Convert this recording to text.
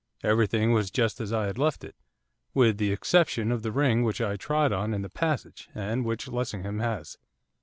Everything was just as I had left it, with the exception of the ring which I trod on in the passage, and which Lessingham has.